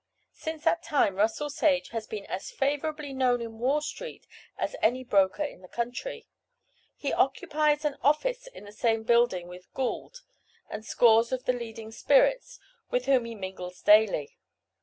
Since that time Russell Sage has been as favorably known in Wall street as any broker in the country. He occupies an office in the same building with Gould, and scores of the leading spirits, with whom he mingles daily.